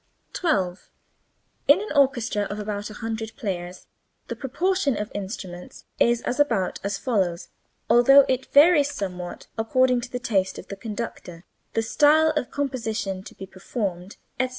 12. In an orchestra of about 100 players the proportion of instruments is as about as follows, although it varies somewhat according to the taste of the conductor, the style of composition to be performed, etc.